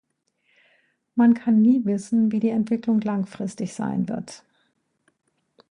Man kann nie wissen, wie die Entwicklung langfristig sein wird.